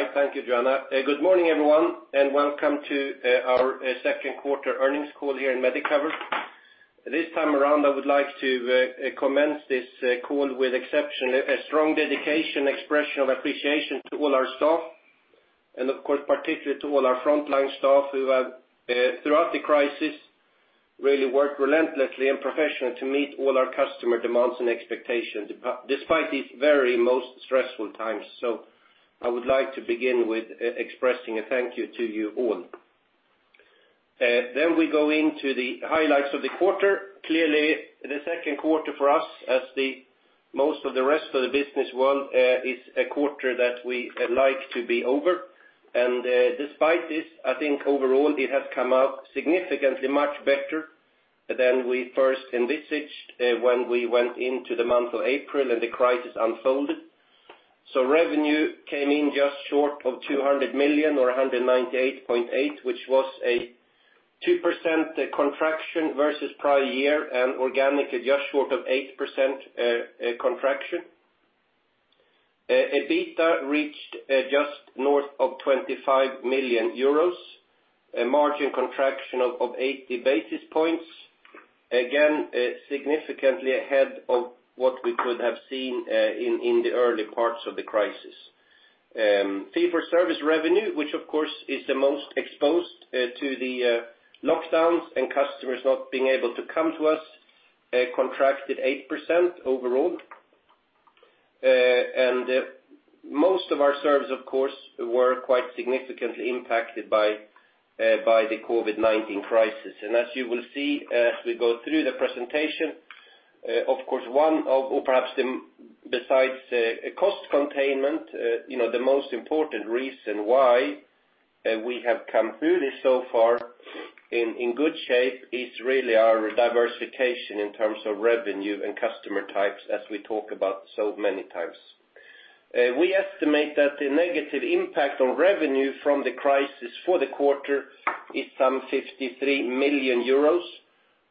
All right. Thank you, Joanna. Good morning, everyone, welcome to our second quarter earnings call here in Medicover. This time around, I would like to commence this call with exception, a strong dedication expression of appreciation to all our staff and of course, particularly to all our frontline staff who have, throughout the crisis, really worked relentlessly and professionally to meet all our customer demands and expectations despite these very most stressful times. I would like to begin with expressing a thank you to you all. We go into the highlights of the quarter. Clearly, the second quarter for us, as the most of the rest of the business world, is a quarter that we like to be over. Despite this, I think overall it has come out significantly much better than we first envisaged when we went into the month of April and the crisis unfolded. Revenue came in just short of 200 million or 198.8 million, which was a 2% contraction versus prior year and organic, just short of 8% contraction. EBITDA reached just north of 25 million euros, a margin contraction of 80 basis points. Again, significantly ahead of what we could have seen in the early parts of the crisis. Fee-for-service revenue, which of course is the most exposed to the lockdowns and customers not being able to come to us, contracted 8% overall. Most of our service, of course, were quite significantly impacted by the COVID-19 crisis. As you will see as we go through the presentation, of course, one of, or perhaps besides cost containment, the most important reason why we have come through this so far in good shape is really our diversification in terms of revenue and customer types as we talk about so many times. We estimate that the negative impact on revenue from the crisis for the quarter is some 53 million euros.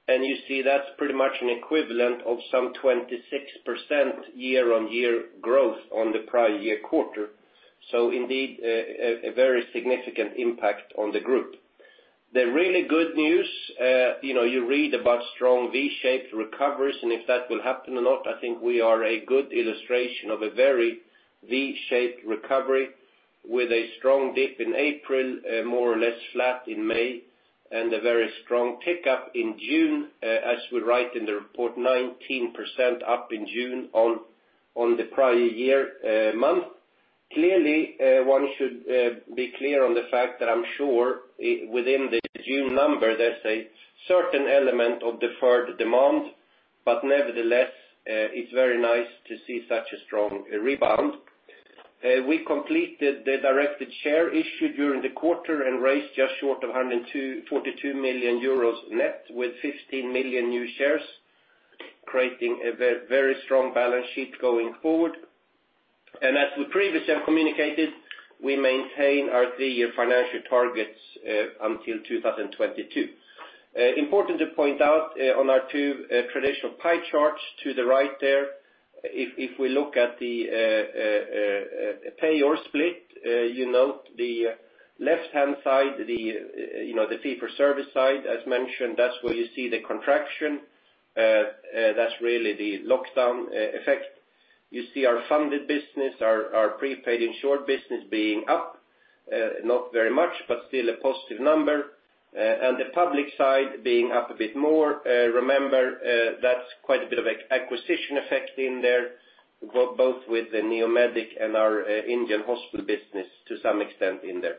You see that's pretty much an equivalent of some 26% year-on-year growth on the prior year quarter. Indeed, a very significant impact on the group. The really good news, you read about strong V-shaped recoveries and if that will happen or not, I think we are a good illustration of a very V-shaped recovery with a strong dip in April, more or less flat in May, and a very strong pickup in June, as we write in the report, 19% up in June on the prior year month. Clearly, one should be clear on the fact that I'm sure within the June number, there's a certain element of deferred demand. Nevertheless, it's very nice to see such a strong rebound. We completed the directed share issue during the quarter, raised just short of 142 million euros net with 15 million new shares, creating a very strong balance sheet going forward. As we previously have communicated, we maintain our three-year financial targets until 2022. Important to point out on our two traditional pie charts to the right there, if we look at the payer split, you note the left-hand side, the fee-for-service side, as mentioned, that's where you see the contraction. That's really the lockdown effect. You see our funded business, our prepaid insured business being up, not very much, but still a positive number, and the public side being up a bit more. Remember, that's quite a bit of acquisition effect in there, both with the Neomedic and our Indian hospital business to some extent in there.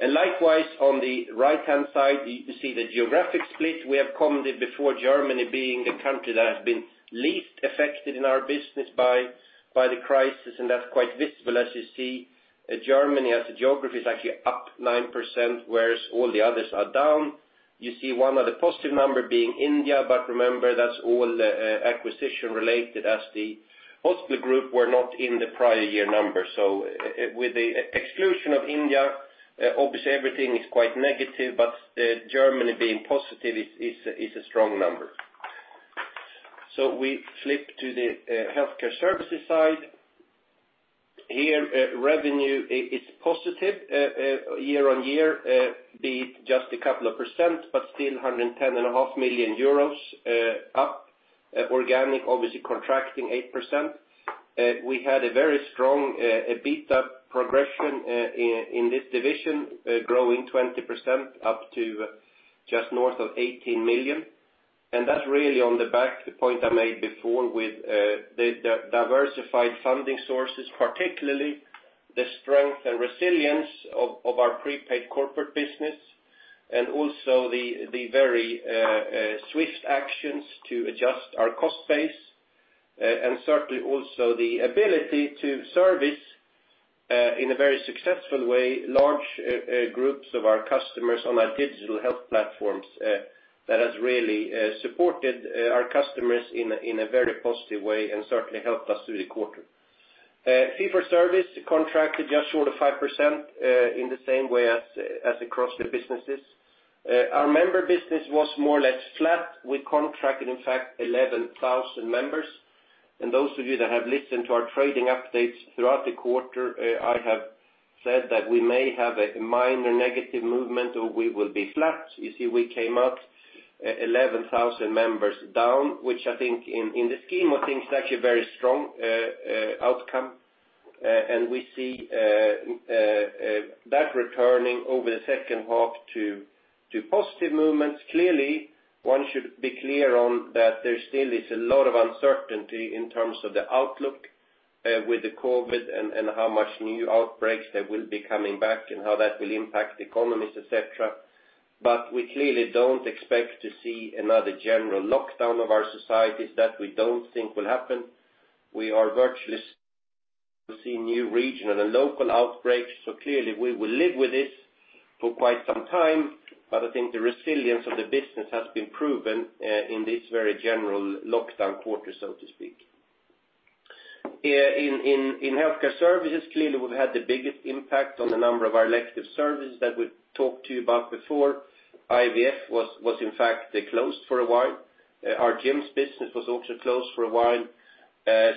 Likewise, on the right-hand side, you see the geographic split. We have commented before Germany being a country that has been least affected in our business by the crisis, and that's quite visible as you see Germany as a geography is actually up 9%, whereas all the others are down. You see one of the positive number being India, remember, that's all acquisition related as the hospital group were not in the prior year number. With the exclusion of India, obviously everything is quite negative, Germany being positive is a strong number. We flip to the healthcare services side. Here, revenue is positive year-over-year, be it just a couple of percent, still 110.5 million euros up, organic obviously contracting 8%. We had a very strong EBITDA progression in this division, growing 20% up to just north of 18 million. That's really on the back, the point I made before with the diversified funding sources, particularly the strength and resilience of our prepaid corporate business and also the very swift actions to adjust our cost base. Certainly also the ability to service in a very successful way large groups of our customers on our digital health platforms that has really supported our customers in a very positive way and certainly helped us through the quarter. Fee-for-service contracted just short of 5% in the same way as across the businesses. Our member business was more or less flat. We contracted, in fact, 11,000 members. Those of you that have listened to our trading updates throughout the quarter, I have said that we may have a minor negative movement, or we will be flat. You see we came out 11,000 members down, which I think in the scheme of things is actually a very strong outcome. We see that returning over the second half to positive movements. Clearly, one should be clear on that there still is a lot of uncertainty in terms of the outlook with the COVID-19 and how much new outbreaks there will be coming back and how that will impact economies, et cetera. We clearly don't expect to see another general lockdown of our societies. That we don't think will happen. We are bound to see new regional and local outbreaks. Clearly we will live with this for quite some time. I think the resilience of the business has been proven in this very general lockdown quarter, so to speak. Here in healthcare services, clearly we've had the biggest impact on a number of our elective services that we've talked to you about before. IVF was in fact closed for a while. Our gyms business was also closed for a while.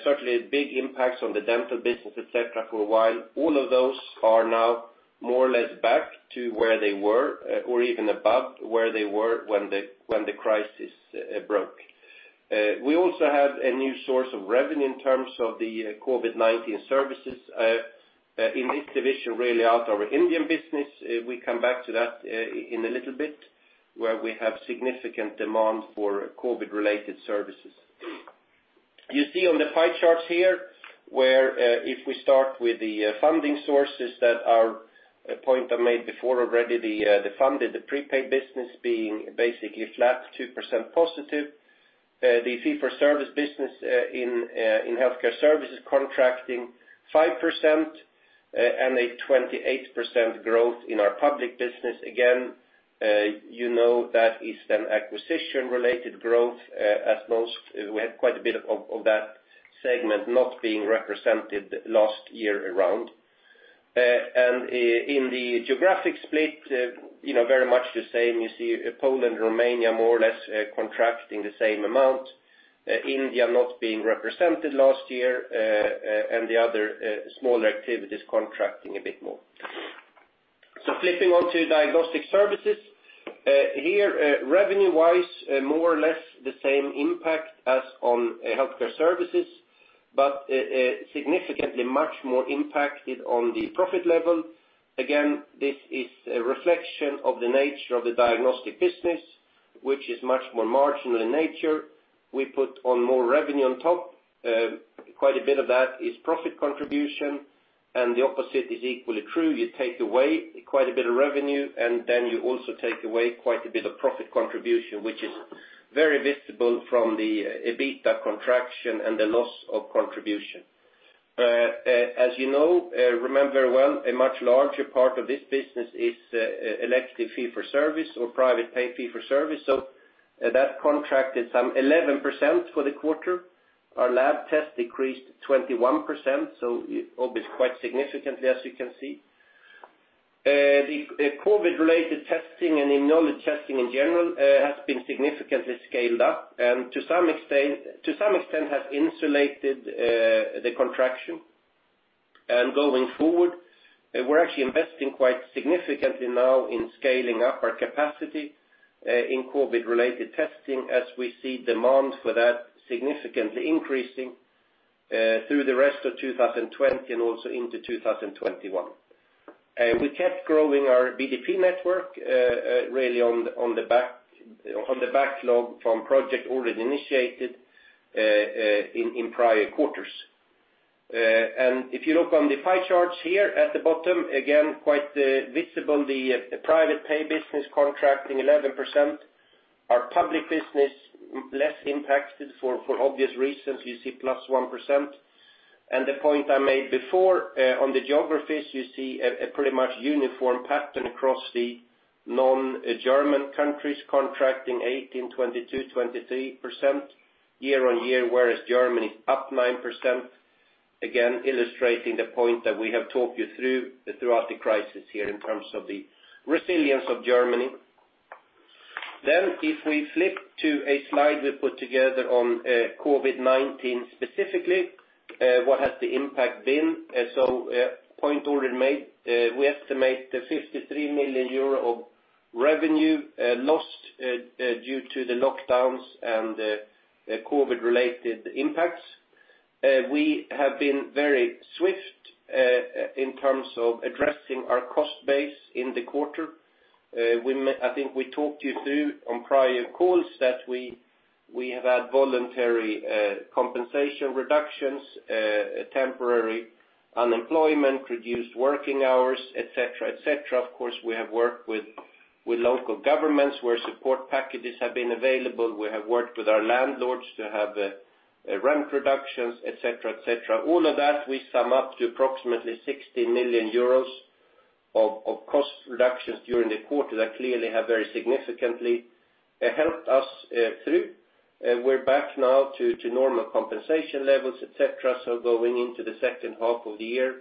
Certainly big impacts on the dental business, et cetera, for a while. All of those are now more or less back to where they were, or even above where they were when the crisis broke. We also had a new source of revenue in terms of the COVID-19 services, in this division, really out of our Indian business, we come back to that in a little bit, where we have significant demand for COVID-related services. You see on the pie charts here, where if we start with the funding sources that are a point I made before already the funded, the prepaid business being basically flat 2% positive. The fee-for-service business in healthcare services contracting 5%, a 28% growth in our public business. Again, you know that is an acquisition-related growth as most we had quite a bit of that segment not being represented last year around. In the geographic split, very much the same. You see Poland, Romania more or less contracting the same amount, India not being represented last year, and the other smaller activities contracting a bit more. Flipping on to diagnostic services. Here, revenue-wise, more or less the same impact as on healthcare services, but significantly much more impacted on the profit level. Again, this is a reflection of the nature of the diagnostic business, which is much more marginal in nature. We put on more revenue on top. Quite a bit of that is profit contribution, and the opposite is equally true. You take away quite a bit of revenue, and then you also take away quite a bit of profit contribution, which is very visible from the EBITDA contraction and the loss of contribution. As you know, remember well, a much larger part of this business is elective fee-for-service or private pay fee-for-service. That contract is down 11% for the quarter. Our lab test decreased 21%, so obvious quite significantly as you can see. The COVID-related testing and immunology testing in general has been significantly scaled up and to some extent has insulated the contraction. Going forward, we're actually investing quite significantly now in scaling up our capacity in COVID-related testing as we see demand for that significantly increasing through the rest of 2020 and also into 2021. We kept growing our BDP network really on the backlog from project already initiated in prior quarters. If you look on the pie charts here at the bottom, again quite visible the private pay business contracting 11%. Our public business less impacted for obvious reasons, you see +1%. The point I made before on the geographies, you see a pretty much uniform pattern across the non-German countries contracting 18%, 22%, 23% year-on-year, whereas Germany is up 9%. Again, illustrating the point that we have talked you through throughout the crisis here in terms of the resilience of Germany. If we flip to a slide we put together on COVID-19 specifically, what has the impact been? Point already made, we estimate the 53 million euro of revenue lost due to the lockdowns and the COVID-related impacts. We have been very swift in terms of addressing our cost base in the quarter. I think we talked you through on prior calls that we have had voluntary compensation reductions, temporary unemployment, reduced working hours, et cetera. Of course, we have worked with local governments where support packages have been available. We have worked with our landlords to have rent reductions, et cetera. All of that we sum up to approximately 60 million euros of cost reductions during the quarter that clearly have very significantly helped us through. We're back now to normal compensation levels, et cetera. Going into the second half of the year,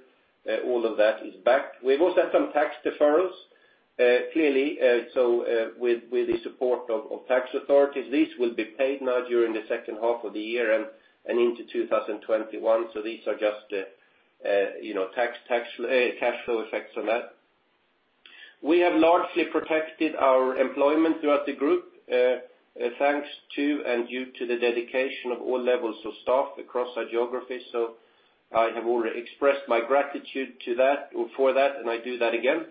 all of that is back. We've also had some tax deferrals, clearly, with the support of tax authorities. These will be paid now during the second half of the year and into 2021. These are just cash flow effects on that. We have largely protected our employment throughout the group, thanks to and due to the dedication of all levels of staff across our geography. I have already expressed my gratitude for that, and I do that again.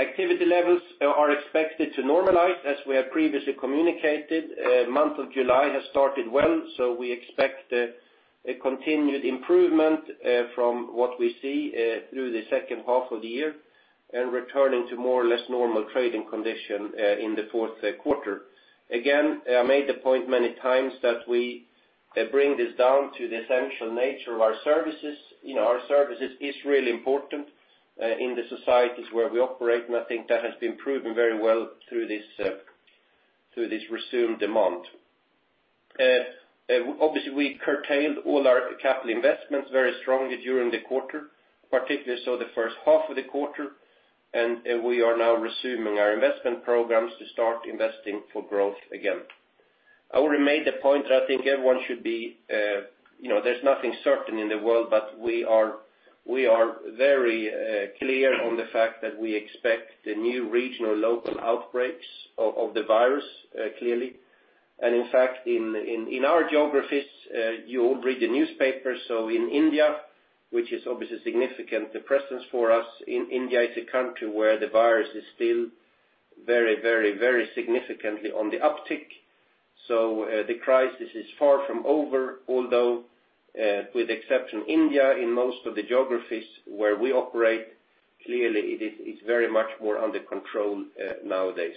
Activity levels are expected to normalize as we have previously communicated. Month of July has started well, so we expect a continued improvement from what we see through the second half of the year and returning to more or less normal trading condition in the fourth quarter. Again, I made the point many times that we bring this down to the essential nature of our services. Our services is really important in the societies where we operate, and I think that has been proven very well through this resumed demand. Obviously, we curtailed all our capital investments very strongly during the quarter, particularly so the first half of the quarter, and we are now resuming our investment programs to start investing for growth again. I already made the point that I think there's nothing certain in the world, but we are very clear on the fact that we expect the new regional local outbreaks of the virus, clearly. In fact, in our geographies, you all read the newspaper. In India, which is obviously significant, the presence for us in India is a country where the virus is still very significantly on the uptick. The crisis is far from over, although with exception India, in most of the geographies where we operate, clearly, it's very much more under control nowadays.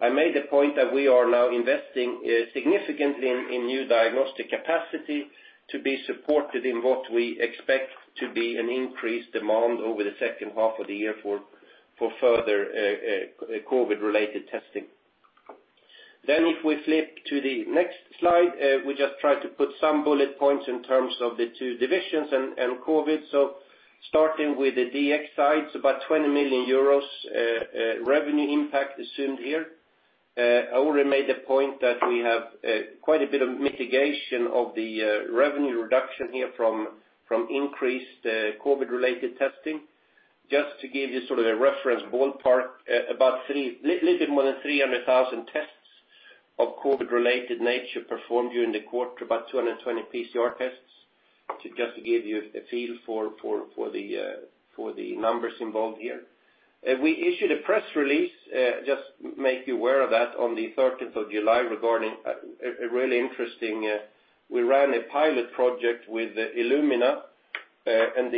I made a point that we are now investing significantly in new diagnostic capacity to be supported in what we expect to be an increased demand over the second half of the year for further COVID-related testing. If we flip to the next slide, we just try to put some bullet points in terms of the two divisions and COVID. Starting with the DX side, it's about 20 million euros revenue impact assumed here. I already made a point that we have quite a bit of mitigation of the revenue reduction here from increased COVID-related testing. Just to give you sort of a reference ballpark, little bit more than 300,000 tests of COVID-related nature performed during the quarter, about 220 PCR tests. Just to give you a feel for the numbers involved here. We issued a press release, just make you aware of that, on the 13th of July regarding a really interesting. We ran a pilot project with Illumina, and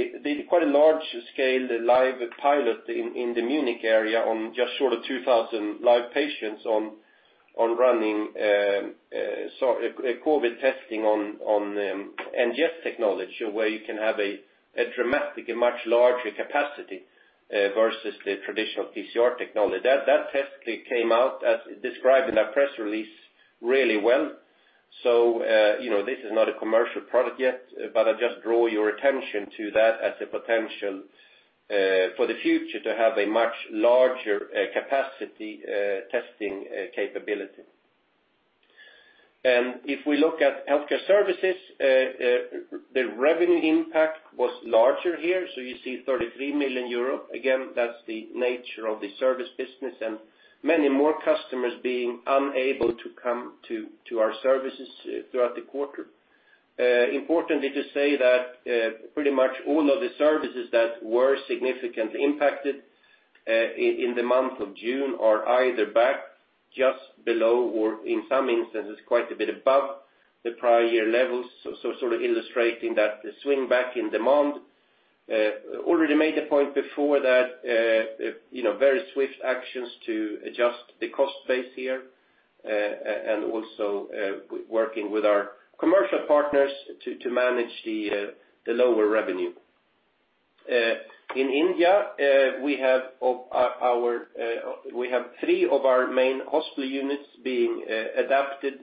quite a large scale live pilot in the Munich area on just short of 2,000 live patients on running COVID testing on NGS technology, where you can have a dramatic, a much larger capacity versus the traditional PCR technology. That test came out as described in our press release really well. This is not a commercial product yet, but I just draw your attention to that as a potential for the future to have a much larger capacity testing capability. If we look at healthcare services, the revenue impact was larger here, you see 33 million euro. That's the nature of the service business and many more customers being unable to come to our services throughout the quarter. To say that pretty much all of the services that were significantly impacted in the month of June are either back just below or in some instances, quite a bit above the prior year levels. Sort of illustrating that swing back in demand. Made a point before that very swift actions to adjust the cost base here, and also working with our commercial partners to manage the lower revenue. In India, we have three of our main hospital units being adapted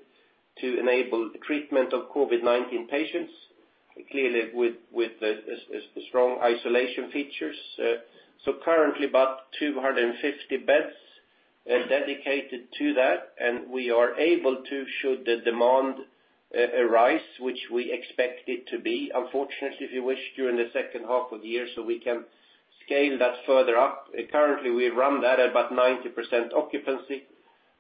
to enable treatment of COVID-19 patients, clearly with strong isolation features. Currently about 250 beds dedicated to that, and we are able to, should the demand arise, which we expect it to be, unfortunately, if you wish, during the second half of the year, so we can scale that further up. Currently, we run that at about 90% occupancy,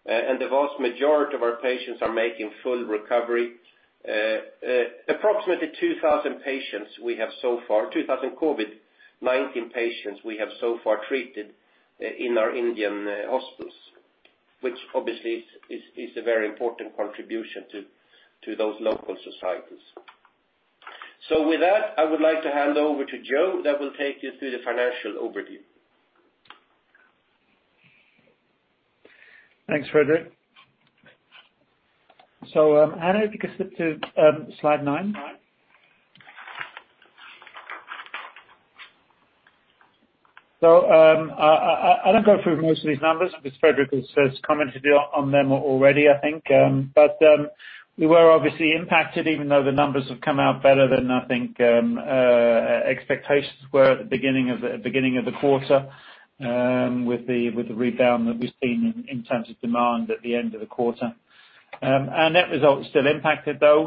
and the vast majority of our patients are making full recovery. Approximately 2,000 COVID-19 patients we have so far treated in our Indian hospitals, which obviously is a very important contribution to those local societies. With that, I would like to hand over to Joe that will take you through the financial overview. Thanks, Fredrik. Hanna, if you could flip to slide nine. I don't go through most of these numbers because Fredrik has commented on them already, I think. We were obviously impacted, even though the numbers have come out better than I think expectations were at the beginning of the quarter with the rebound that we've seen in terms of demand at the end of the quarter. Our net results still impacted though.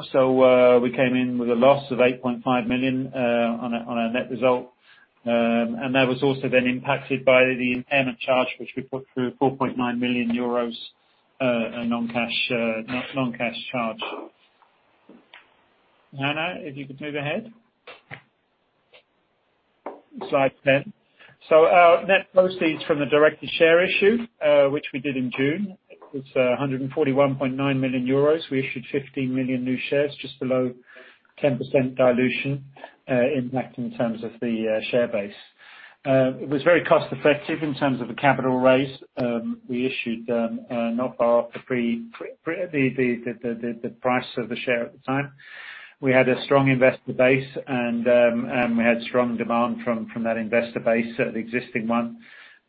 We came in with a loss of 8.5 million on our net result. That was also then impacted by the impairment charge, which we put through 4.9 million euros, a non-cash charge. Hanna, if you could move ahead. Slide 10. Our net proceeds from the directed share issue, which we did in June, was 141.9 million euros. We issued 15 million new shares, just below 10% dilution impact in terms of the share base. It was very cost effective in terms of the capital raise. We issued not far off the price of the share at the time. We had a strong investor base, and we had strong demand from that investor base, the existing one,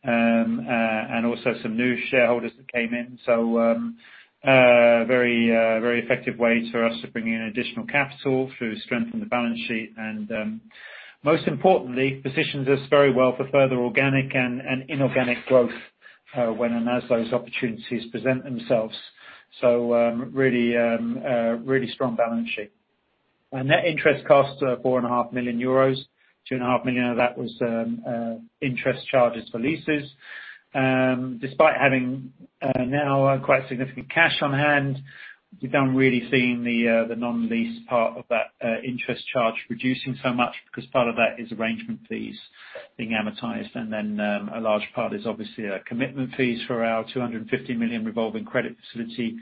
and also some new shareholders that came in. Very effective way for us to bring in additional capital through strengthen the balance sheet and, most importantly, positions us very well for further organic and inorganic growth when and as those opportunities present themselves. Really strong balance sheet. Our net interest costs are 4.5 million euros, 2.5 million of that was interest charges for leases. Despite having now quite significant cash on hand, we don't really seen the non-lease part of that interest charge reducing so much because part of that is arrangement fees being amortized and then a large part is obviously commitment fees for our 250 million revolving credit facility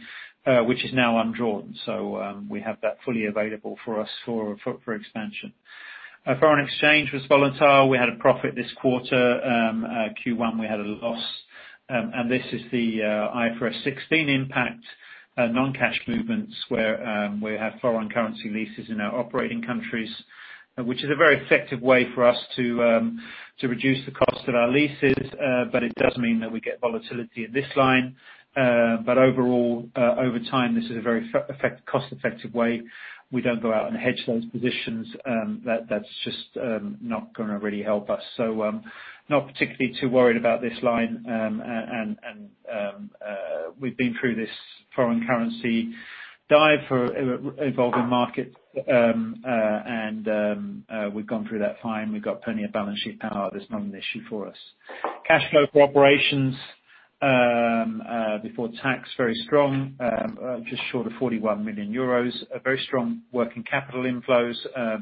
which is now undrawn. We have that fully available for us for expansion. Foreign exchange was volatile. We had a profit this quarter. Q1 we had a loss. This is the IFRS 16 impact, non-cash movements where we have foreign currency leases in our operating countries, which is a very effective way for us to reduce the cost of our leases, but it does mean that we get volatility in this line. Overall, over time, this is a very cost effective way. We don't go out and hedge those positions. That's just not going to really help us. Not particularly too worried about this line. We've been through this foreign currency dive for evolving markets, and we've gone through that fine. We've got plenty of balance sheet power. That's not an issue for us. Cash flow from operations before tax, very strong. Just short of 41 million euros. A very strong working capital inflows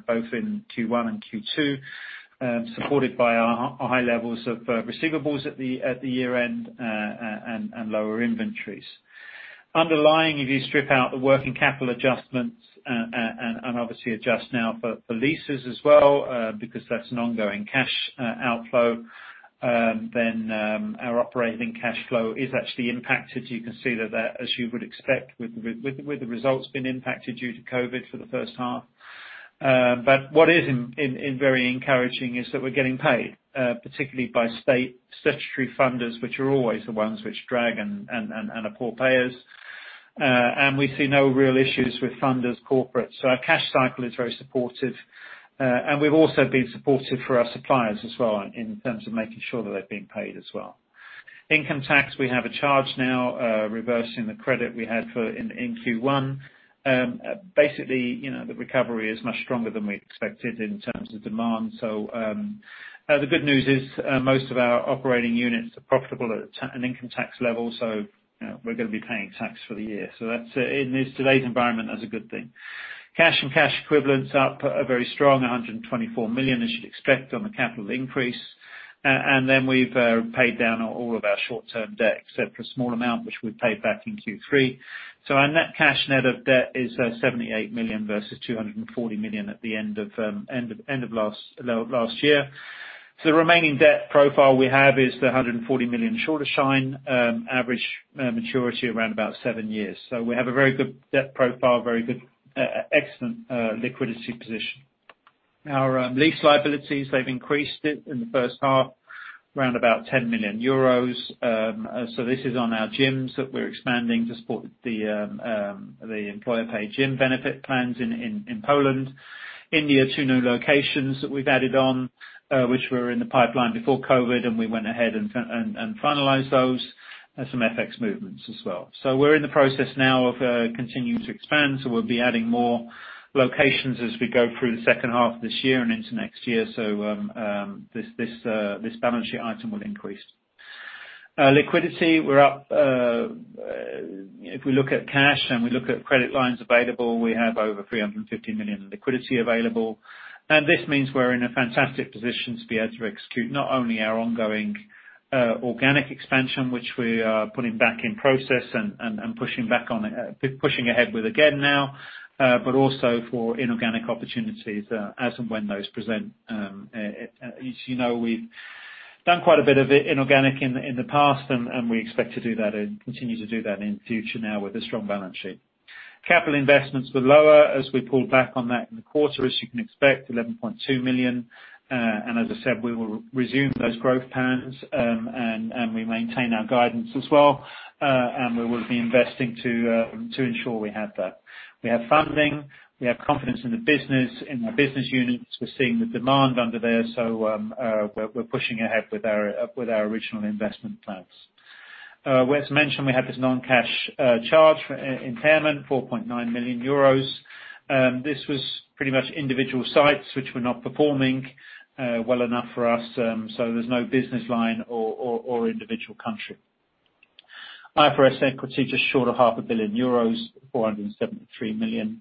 both in Q1 and Q2, supported by our high levels of receivables at the year-end and lower inventories. Underlying, if you strip out the working capital adjustments and obviously adjust now for leases as well, because that's an ongoing cash outflow, then our operating cash flow is actually impacted. You can see that as you would expect with the results being impacted due to COVID for the first half. What is very encouraging is that we're getting paid, particularly by state statutory funders, which are always the ones which drag and are poor payers. We see no real issues with funders corporate. Our cash cycle is very supportive. We've also been supportive for our suppliers as well in terms of making sure that they're being paid as well. Income tax, we have a charge now reversing the credit we had in Q1. Basically, the recovery is much stronger than we expected in terms of demand. The good news is most of our operating units are profitable at an income tax level, so we're going to be paying tax for the year. In today's environment, that's a good thing. Cash and cash equivalents up a very strong 124 million, as you'd expect on the capital increase. We've paid down all of our short-term debt, except for a small amount which we paid back in Q3. Our net cash, net of debt is 78 million versus 240 million at the end of last year. The remaining debt profile we have is the 140 million Schuldschein, average maturity around about seven years. We have a very good debt profile, excellent liquidity position. Our lease liabilities, they've increased it in the first half, around about 10 million euros. This is on our gyms that we're expanding to support the employer-paid gym benefit plans in Poland. India, two new locations that we've added on which were in the pipeline before COVID, and we went ahead and finalized those. Some FX movements as well. We're in the process now of continuing to expand, so we'll be adding more locations as we go through the second half of this year and into next year. This balance sheet item will increase. Liquidity, if we look at cash and we look at credit lines available, we have over 350 million in liquidity available. This means we're in a fantastic position to be able to execute not only our ongoing organic expansion, which we are putting back in process and pushing ahead with again now, but also for inorganic opportunities as and when those present. As you know, we've done quite a bit of inorganic in the past, and we expect to continue to do that in future now with a strong balance sheet. Capital investments were lower as we pulled back on that in the quarter, as you can expect, 11.2 million. As I said, we will resume those growth patterns, we maintain our guidance as well, we will be investing to ensure we have that. We have funding, we have confidence in the business, in our business units. We're seeing the demand under there, we're pushing ahead with our original investment plans. Whereas mentioned we had this non-cash charge for impairment, 4.9 million euros. This was pretty much individual sites which were not performing well enough for us, there's no business line or individual country. IFRS equity, just short of half a billion euros, 473 million.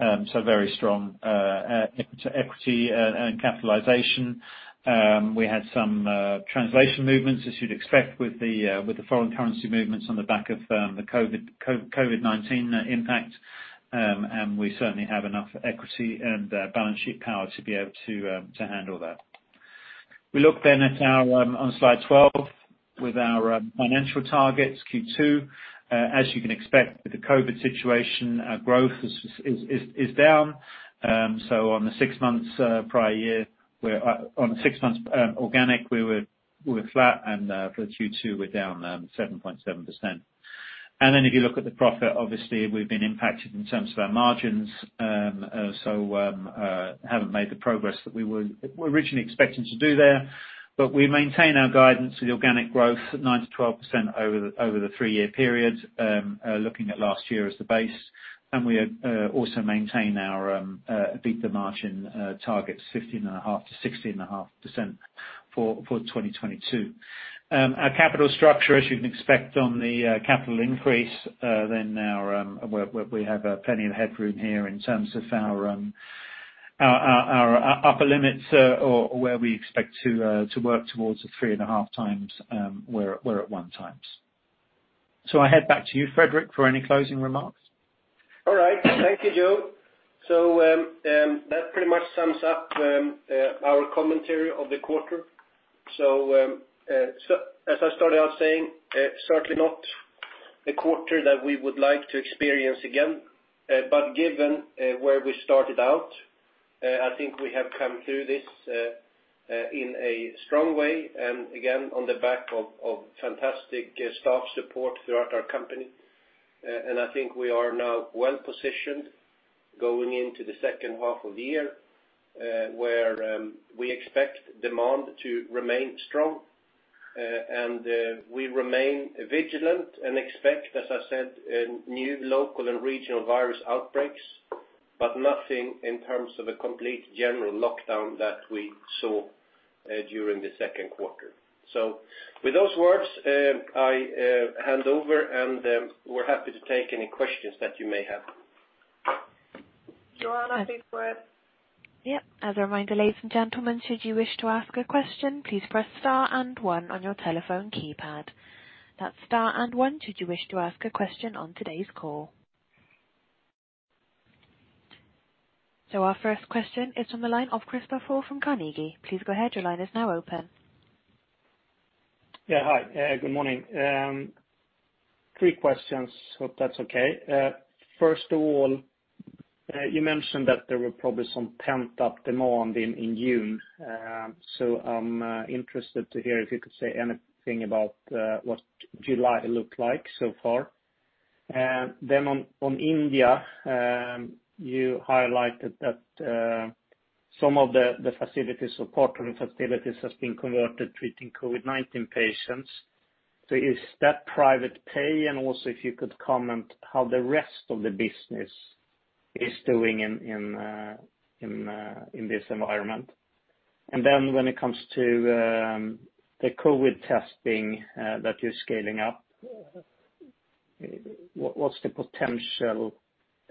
Very strong equity and capitalization. We had some translation movements, as you'd expect with the foreign currency movements on the back of the COVID-19 impact. We certainly have enough equity and balance sheet power to be able to handle that. We look on slide 12 with our financial targets, Q2. As you can expect with the COVID situation, growth is down. On the six months prior year, on the six months organic, we were flat and for Q2 we're down 7.7%. If you look at the profit, obviously we've been impacted in terms of our margins. Haven't made the progress that we were originally expecting to do there. We maintain our guidance with organic growth at 9%-12% over the three-year period, looking at last year as the base. We also maintain our EBITDA margin targets 15.5%-16.5% for 2022. Our capital structure, as you'd expect on the capital increase, we have plenty of headroom here in terms of our upper limits, or where we expect to work towards the 3.5x, we're at 1x. I head back to you, Fredrik, for any closing remarks. All right. Thank you, Joe. That pretty much sums up our commentary of the quarter. As I started out saying, certainly not a quarter that we would like to experience again. Given where we started out, I think we have come through this in a strong way, and again, on the back of fantastic staff support throughout our company. I think we are now well positioned going into the second half of the year, where we expect demand to remain strong. We remain vigilant and expect, as I said, new local and regional virus outbreaks, but nothing in terms of a complete general lockdown that we saw during the second quarter. With those words, I hand over and we're happy to take any questions that you may have. Joanna, please go ahead. Yep. As a reminder, ladies and gentlemen, should you wish to ask a question, please press star and one on your telephone keypad. That's star and one, should you wish to ask a question on today's call. Our first question is from the line of Kristofer from Carnegie. Please go ahead, your line is now open. Hi. Good morning. Three questions, hope that's okay. First of all, you mentioned that there were probably some pent-up demand in June. I'm interested to hear if you could say anything about what July looked like so far. On India, you highlighted that some of the facilities or part of the facilities has been converted treating COVID-19 patients. Is that private pay? Also, if you could comment how the rest of the business is doing in this environment. When it comes to the COVID testing that you're scaling up, what's the potential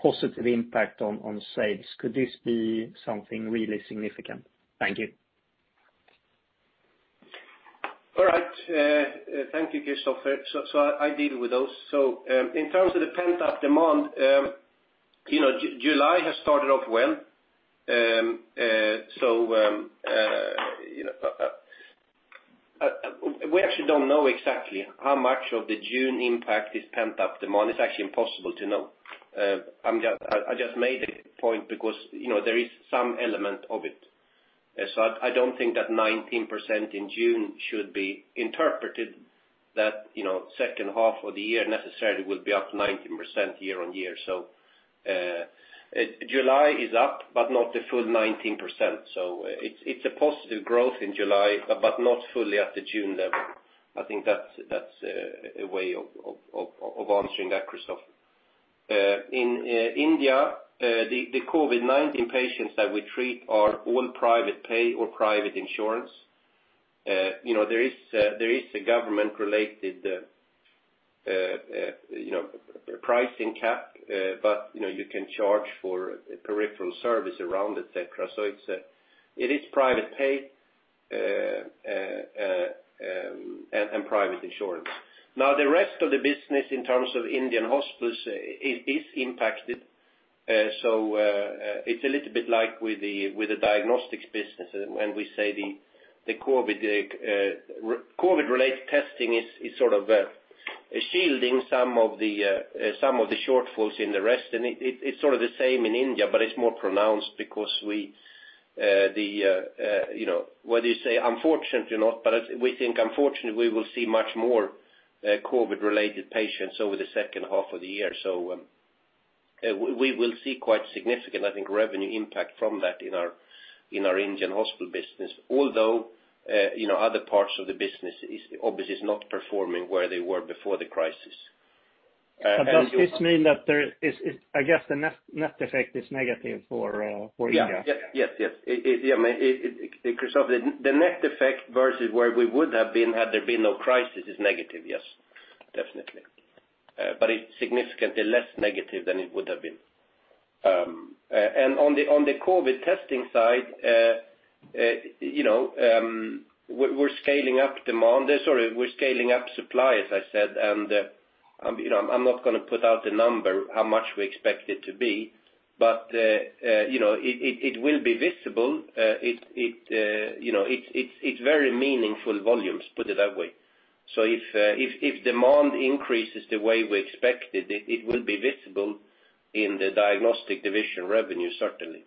positive impact on sales? Could this be something really significant? Thank you. All right. Thank you, Kristofer. I'll deal with those. In terms of the pent-up demand, July has started off well. We actually don't know exactly how much of the June impact is pent-up demand. It's actually impossible to know. I just made a point because there is some element of it. I don't think that 19% in June should be interpreted that second half of the year necessarily will be up 19% year-on-year. July is up, but not the full 19%. It's a positive growth in July, but not fully at the June level. I think that's a way of answering that, Kristofer. In India, the COVID-19 patients that we treat are all private pay or private insurance. There is a government-related pricing cap, but you can charge for peripheral service around, et cetera. It is private pay and private insurance. The rest of the business in terms of Indian hospitals is impacted. It's a little bit like with the diagnostics business, when we say the COVID-related testing is sort of shielding some of the shortfalls in the rest. It's sort of the same in India, but it's more pronounced because what do you say, unfortunately not, but we think unfortunately we will see much more COVID-related patients over the second half of the year. We will see quite significant, I think, revenue impact from that in our Indian hospital business. Other parts of the business obviously is not performing where they were before the crisis. Does this mean that there is, I guess, the net effect is negative for India? Yes. Kristofer, the net effect versus where we would have been had there been no crisis is negative, yes, definitely. It's significantly less negative than it would have been. On the COVID testing side, we're scaling up demand there. Sorry, we're scaling up supply, as I said, and I'm not going to put out a number how much we expect it to be, but it will be visible. It's very meaningful volumes, put it that way. If demand increases the way we expected, it will be visible in the diagnostic division revenue, certainly.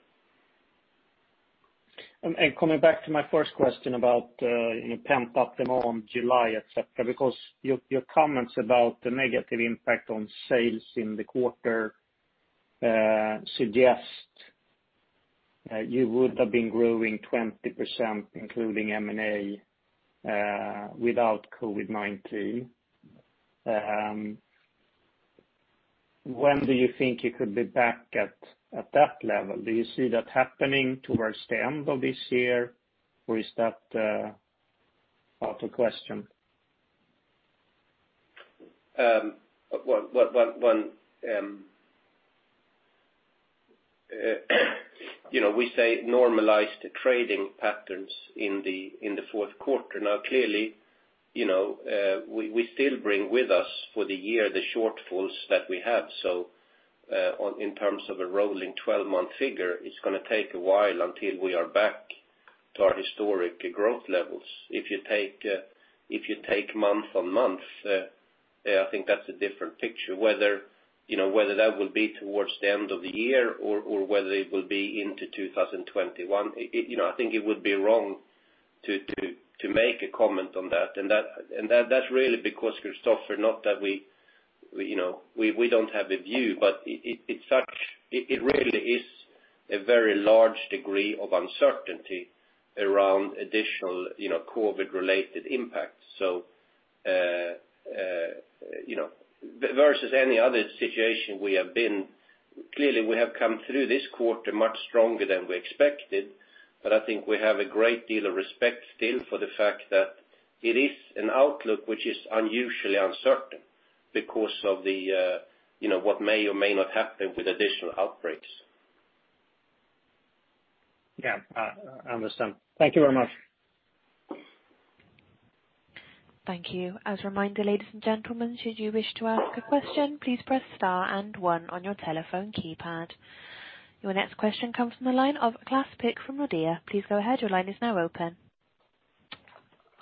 Coming back to my first question about pent-up demand July, et cetera. Your comments about the negative impact on sales in the quarter suggest you would have been growing 20%, including M&A, without COVID-19. When do you think you could be back at that level? Do you see that happening towards the end of this year? Is that out of question? We say normalized trading patterns in the fourth quarter. Clearly, we still bring with us for the year the shortfalls that we have. In terms of a rolling 12-month figure, it's going to take a while until we are back to our historic growth levels. If you take month-over-month, I think that's a different picture, whether that will be towards the end of the year or whether it will be into 2021. I think it would be wrong to make a comment on that. That's really because, Kristofer, not that we don't have a view, but it really is a very large degree of uncertainty around additional COVID-related impacts. Versus any other situation we have been, clearly, we have come through this quarter much stronger than we expected, but I think we have a great deal of respect still for the fact that it is an outlook which is unusually uncertain because of what may or may not happen with additional outbreaks. Yeah. I understand. Thank you very much. Thank you. As a reminder, ladies and gentlemen, should you wish to ask a question, please press star and one on your telephone keypad. Your next question comes from the line of Klas Pyk from Nordea. Please go ahead, your line is now open.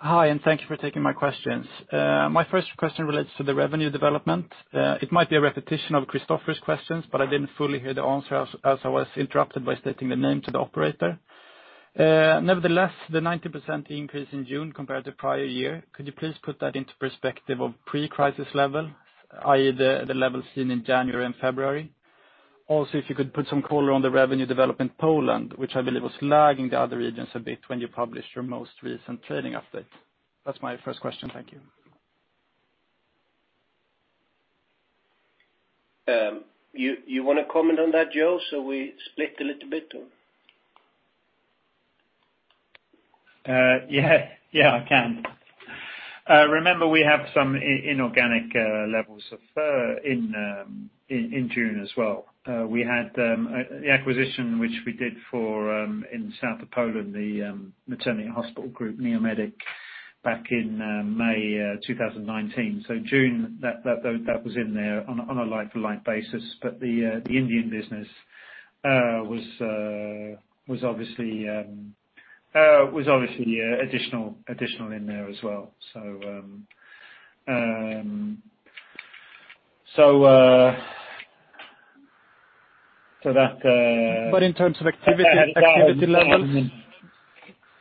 Hi, thank you for taking my questions. My first question relates to the revenue development. It might be a repetition of Kristofer's questions, but I didn't fully hear the answer as I was interrupted by stating the name to the operator. Nevertheless, the 90% increase in June compared to prior year, could you please put that into perspective of pre-crisis level, i.e., the level seen in January and February? If you could put some color on the revenue development Poland, which I believe was lagging the other regions a bit when you published your most recent trading update. That's my first question. Thank you. You want to comment on that, Joe, so we split a little bit, or? Yeah, I can. Remember, we have some inorganic levels of FIR in June as well. We had the acquisition which we did in South of Poland, the maternity hospital group Neomedic back in May 2019. June, that was in there on a like-to-like basis. The Indian business was obviously additional in there as well. In terms of activity levels?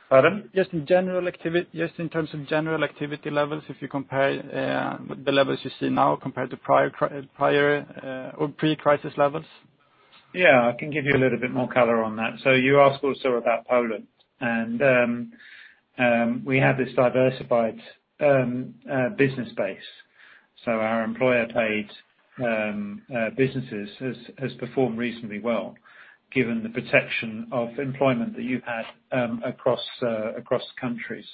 Pardon? Just in terms of general activity levels, if you compare the levels you see now compared to prior or pre-crisis levels. Yeah, I can give you a little bit more color on that. You asked also about Poland, and we have this diversified business base. Our employer-paid businesses has performed reasonably well given the protection of employment that you've had across countries.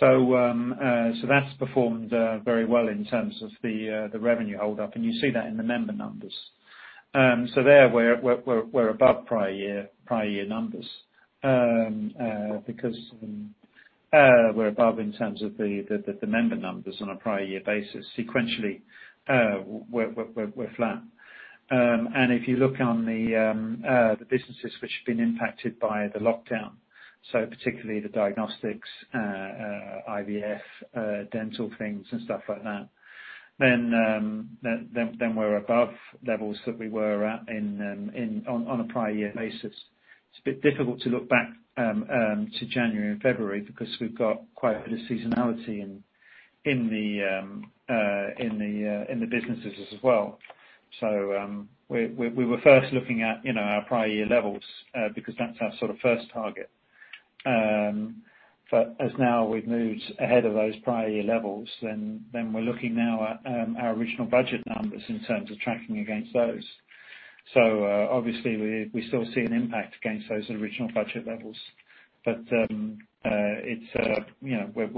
That's performed very well in terms of the revenue hold up, and you see that in the member numbers. There, we're above prior year numbers. We're above in terms of the member numbers on a prior year basis. Sequentially, we're flat. If you look on the businesses which have been impacted by the lockdown, particularly the diagnostics, IVF, dental things and stuff like that, then we're above levels that we were at on a prior year basis. It's a bit difficult to look back to January and February because we've got quite a bit of seasonality in the businesses as well. We were first looking at our prior year levels because that's our sort of first target. As now we've moved ahead of those prior year levels, we're looking now at our original budget numbers in terms of tracking against those. Obviously we still see an impact against those original budget levels. We're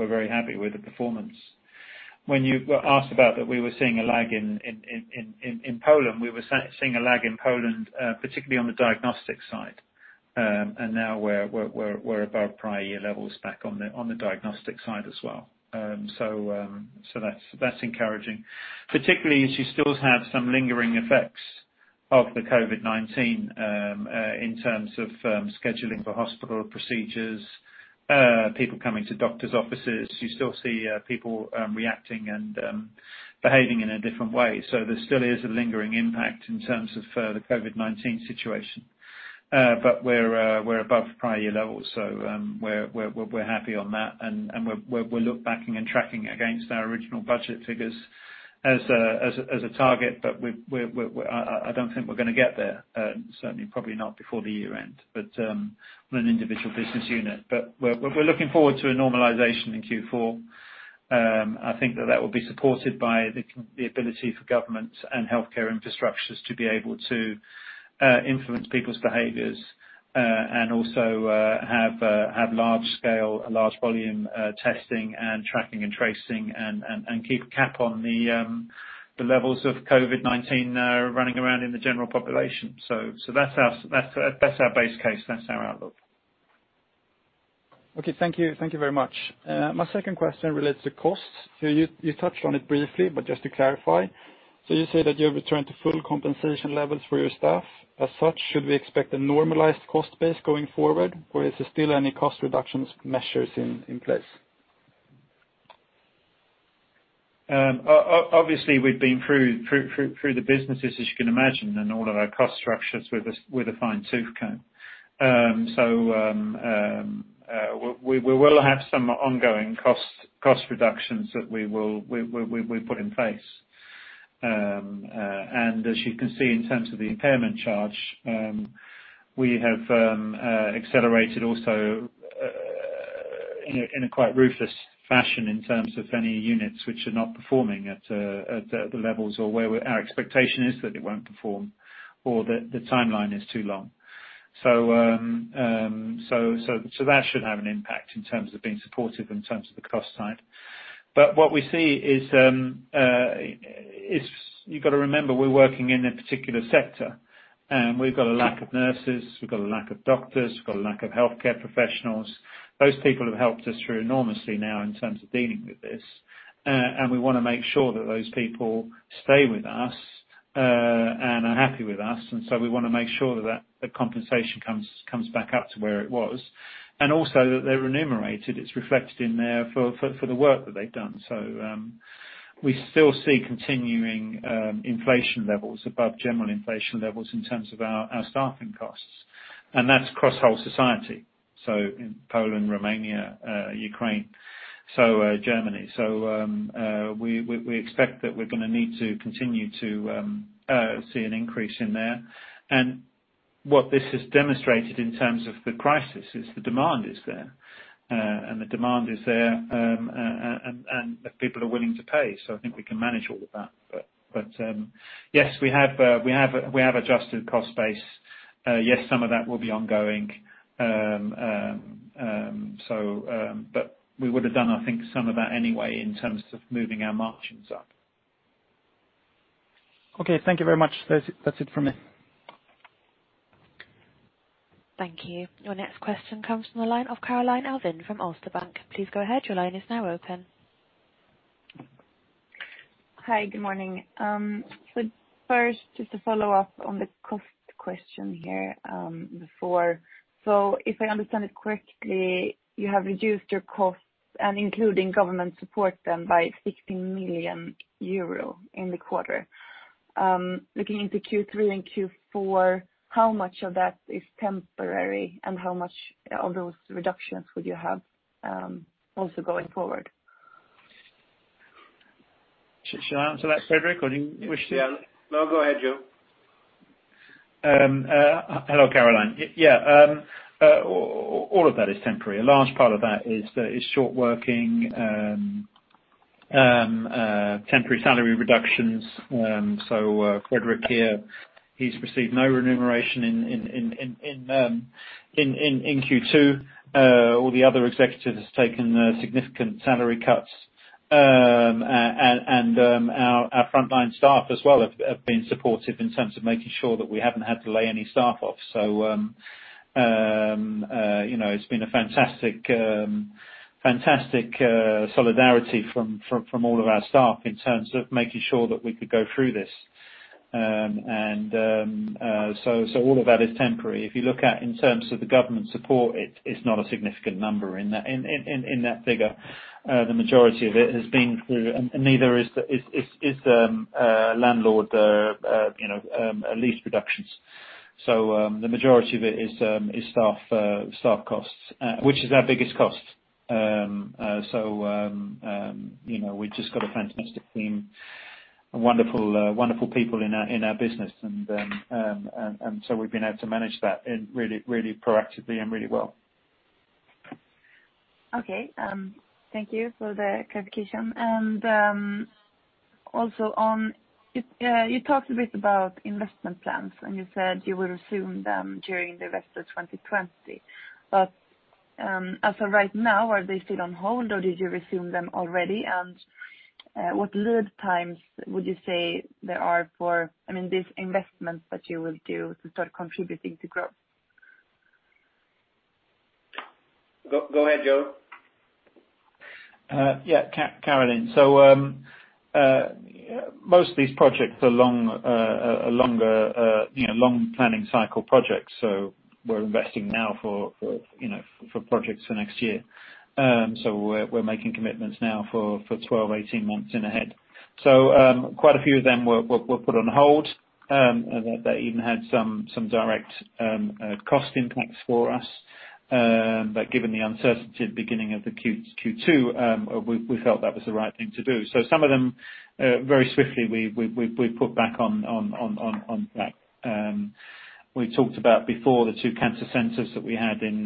very happy with the performance. When you asked about that we were seeing a lag in Poland, we were seeing a lag in Poland particularly on the diagnostics side. Now we're above prior year levels back on the diagnostics side as well. That's encouraging. Particularly as you still have some lingering effects of the COVID-19, in terms of scheduling for hospital procedures, people coming to doctor's offices. You still see people reacting and behaving in a different way. There still is a lingering impact in terms of the COVID-19 situation. We're above prior year levels, so we're happy on that, and we're looking back and tracking against our original budget figures as a target, but I don't think we're going to get there. Certainly, probably not before the year end, but on an individual business unit. We're looking forward to a normalization in Q4. I think that will be supported by the ability for governments and healthcare infrastructures to be able to influence people's behaviors, and also have large scale and large volume testing and tracking and tracing and keep a cap on the levels of COVID-19 now running around in the general population. That's our base case. That's our outlook. Okay. Thank you very much. My second question relates to costs. You touched on it briefly, but just to clarify. You say that you have returned to full compensation levels for your staff. As such, should we expect a normalized cost base going forward? Is there still any cost reductions measures in place? Obviously we've been through the businesses as you can imagine, and all of our cost structures with a fine-tooth comb. We will have some ongoing cost reductions that we put in place. As you can see in terms of the impairment charge, we have accelerated also in a quite ruthless fashion in terms of any units which are not performing at the levels or where our expectation is that it won't perform or the timeline is too long. That should have an impact in terms of being supportive in terms of the cost side. What we see is, you've got to remember we're working in a particular sector. We've got a lack of nurses, we've got a lack of doctors, we've got a lack of healthcare professionals. Those people have helped us through enormously now in terms of dealing with this. We want to make sure that those people stay with us, and are happy with us. We want to make sure that the compensation comes back up to where it was. Also that they're remunerated, it's reflected in there for the work that they've done. We still see continuing inflation levels above general inflation levels in terms of our staffing costs. That's across whole society. In Poland, Romania, Ukraine, Germany. We expect that we're going to need to continue to see an increase in there. What this has demonstrated in terms of the crisis is the demand is there. The demand is there, and the people are willing to pay. I think we can manage all of that. Yes, we have adjusted cost base. Yes, some of that will be ongoing. We would have done, I think, some of that anyway in terms of moving our margins up. Okay. Thank you very much. That's it from me. Thank you. Your next question comes from the line of Caroline Baner from Danske Bank. Please go ahead. Your line is now open. Hi. Good morning. First, just to follow up on the cost question here, before. If I understand it correctly, you have reduced your costs and including government support then by 16 million euro in the quarter. Looking into Q3 and Q4, how much of that is temporary and how much of those reductions would you have also going forward? Should I answer that, Fredrik, or do you wish to? Yeah. No, go ahead, Joe. Hello, Caroline. Yeah. All of that is temporary. A large part of that is short working, temporary salary reductions. Fredrik here, he's received no remuneration in Q2. All the other executives have taken significant salary cuts. Our frontline staff as well have been supportive in terms of making sure that we haven't had to lay any staff off. It's been a fantastic solidarity from all of our staff in terms of making sure that we could go through this. All of that is temporary. If you look at in terms of the government support, it's not a significant number in that figure. The majority of it has been through. Neither is landlord lease reductions. The majority of it is staff costs, which is our biggest cost. We just got a fantastic team, wonderful people in our business. We've been able to manage that really proactively and really well. Okay. Thank you for the clarification. Also, you talked a bit about investment plans, and you said you will resume them during the rest of 2020. As of right now, are they still on hold or did you resume them already? What lead times would you say there are for these investments that you will do to start contributing to growth? Go ahead, Joe. Yeah. Caroline. Most of these projects are long planning cycle projects. We're investing now for projects for next year. We're making commitments now for 12, 18 months in ahead. Quite a few of them were put on hold, and that even had some direct cost impacts for us. Given the uncertainty at the beginning of the Q2, we felt that was the right thing to do. Some of them, very swiftly, we put back on track. We talked about before the two cancer centers that we had in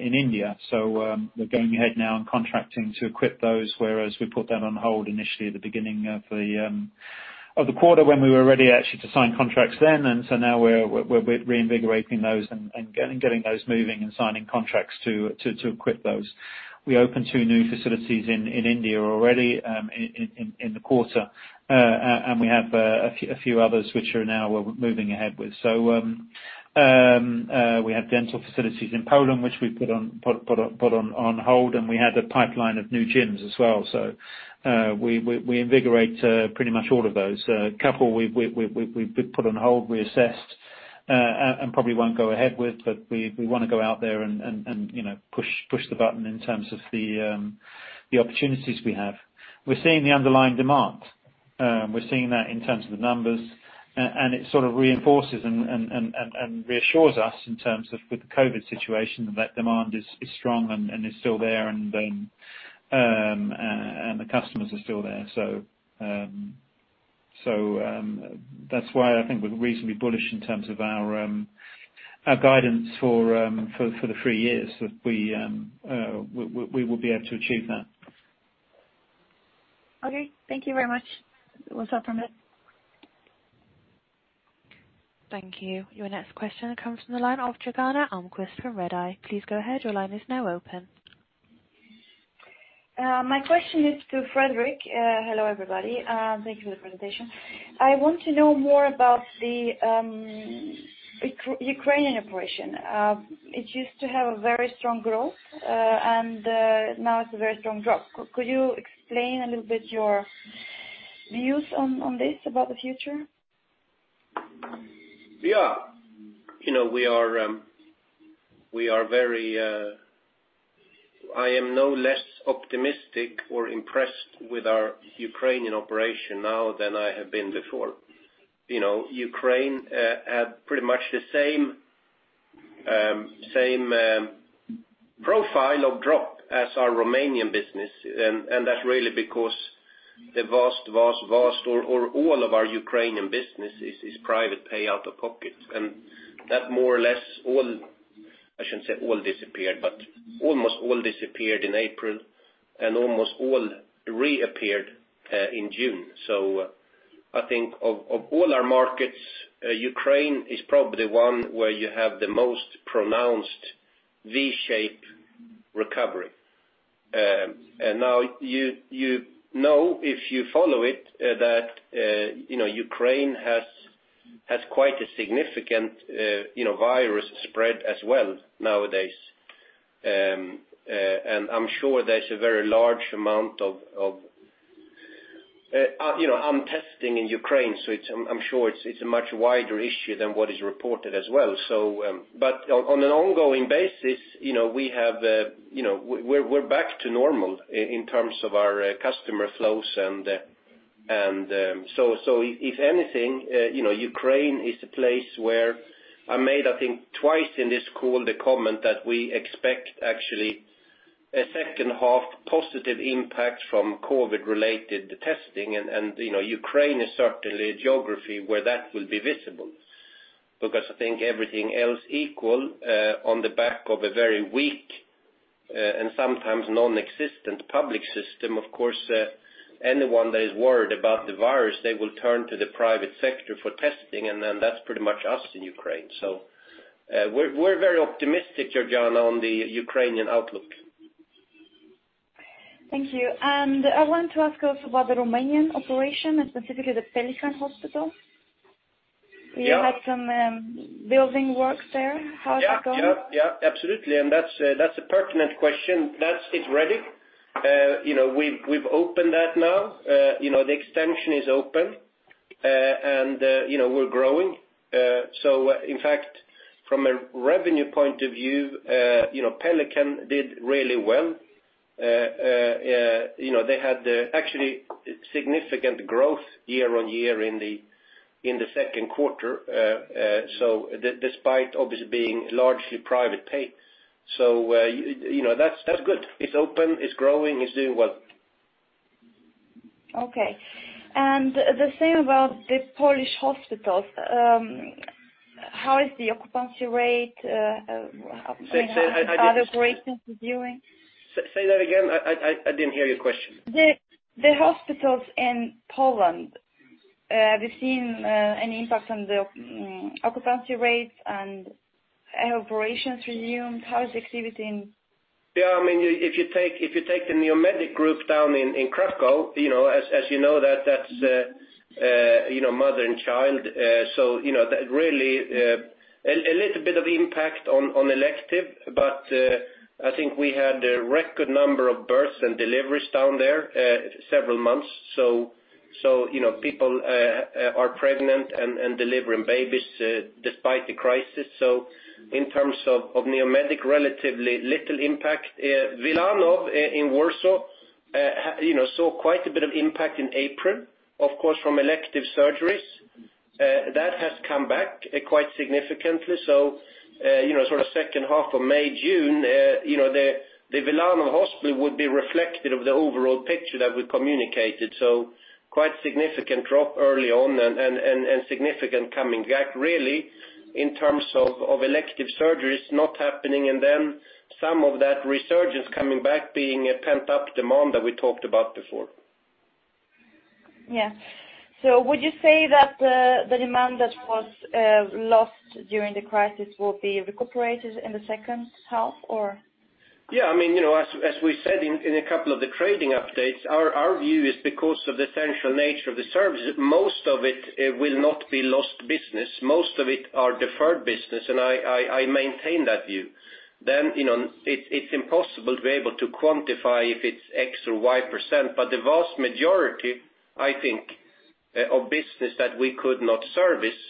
India. We're going ahead now and contracting to equip those, whereas we put that on hold initially at the beginning of the quarter when we were ready actually to sign contracts then. Now we're reinvigorating those and getting those moving and signing contracts to equip those. We opened two new facilities in India already in the quarter. We have a few others which we're now moving ahead with. We have dental facilities in Poland which we put on hold, and we had a pipeline of new gyms as well. We invigorate pretty much all of those. A couple we put on hold, reassessed, and probably won't go ahead with, but we want to go out there and push the button in terms of the opportunities we have. We're seeing the underlying demand. We're seeing that in terms of the numbers, and it sort of reinforces and reassures us in terms of with the COVID-19 situation, that demand is strong and is still there and the customers are still there. That's why I think we're reasonably bullish in terms of our guidance for the three years, that we will be able to achieve that. Okay. Thank you very much. Will step from it. Thank you. Your next question comes from the line of Gergana Almquist from Redeye. Please go ahead. Your line is now open. My question is to Fredrik. Hello, everybody. Thank you for the presentation. I want to know more about the Ukrainian operation. It used to have a very strong growth, and now it's a very strong drop. Could you explain a little bit your views on this, about the future? Yeah. I am no less optimistic or impressed with our Ukrainian operation now than I have been before. Ukraine had pretty much the same profile of drop as our Romanian business, and that's really because the vast, or all of our Ukrainian business is private pay out of pocket. That more or less all, I shouldn't say all disappeared, but almost all disappeared in April and almost all reappeared in June. I think of all our markets, Ukraine is probably one where you have the most pronounced V-shape recovery. Now you know if you follow it, that Ukraine has quite a significant virus spread as well nowadays. I'm sure there's a very large amount of under-testing in Ukraine, so I'm sure it's a much wider issue than what is reported as well. On an ongoing basis, we're back to normal in terms of our customer flows. If anything, Ukraine is a place where I made, I think twice in this call, the comment that we expect actually a second half positive impact from COVID-19 related testing. Ukraine is certainly a geography where that will be visible. I think everything else equal, on the back of a very weak, and sometimes non-existent public system, of course. Anyone that is worried about the virus, they will turn to the private sector for testing, and then that's pretty much us in Ukraine. We're very optimistic, Gergana, on the Ukrainian outlook. Thank you. I want to ask also about the Romanian operation and specifically the Pelican Hospital. Yeah. You had some building works there. How is it going? Yeah. Absolutely. That's a pertinent question. It's ready. We've opened that now. The extension is open. We're growing. In fact, from a revenue point of view, Pelican did really well. They had actually significant growth year-on-year in the second quarter, so despite obviously being largely private pay. That's good. It's open, it's growing, it's doing well. Okay. The same about the Polish hospitals. How is the occupancy rate? Say- How are the operations reviewing? Say that again. I didn't hear your question. The hospitals in Poland, have you seen any impact on the occupancy rates and have operations resumed? How is activity in? Yeah, if you take the Neomedic down in Kraków, as you know, that's mother and child, so a little bit of impact on elective, but I think we had a record number of births and deliveries down there several months. People are pregnant and delivering babies despite the crisis. In terms of Neomedic, relatively little impact. Wilanów in Warsaw saw quite a bit of impact in April, of course, from elective surgeries. That has come back quite significantly. Second half of May, June, the Wilanów Hospital would be reflective of the overall picture that we communicated. Quite significant drop early on and significant coming back really in terms of elective surgeries not happening and then some of that resurgence coming back being a pent-up demand that we talked about before. Yeah. Would you say that the demand that was lost during the crisis will be recuperated in the second half, or? Yeah, as we said in a couple of the trading updates, our view is because of the essential nature of the services, most of it will not be lost business. Most of it are deferred business, and I maintain that view. It's impossible to be able to quantify if it's X or Y percent, but the vast majority, I think, of business that we could not service